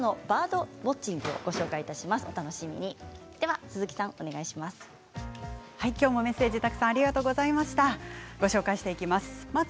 きょうもメッセージをたくさんありがとうございます。